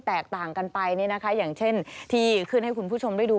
แตกต่างกันไปเนี่ยนะคะอย่างเช่นที่ขึ้นให้คุณผู้ชมได้ดู